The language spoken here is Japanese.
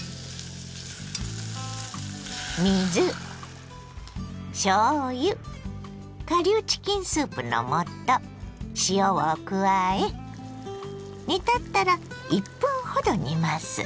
水しょうゆ顆粒チキンスープの素塩を加え煮立ったら１分ほど煮ます。